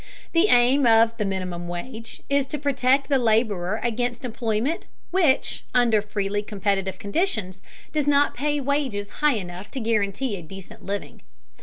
The aim of the minimum wage is to protect the laborer against employment which, under freely competitive conditions, does not pay wages high enough to guarantee a decent living.